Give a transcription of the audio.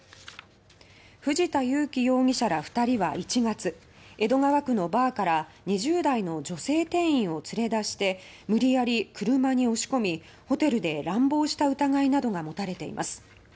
藤田祐樹容疑者ら２人は１月江戸川区のバーから２０代の女性店員を連れ出して無理やり車に押し込みホテルで乱暴した疑いなどが持たれています。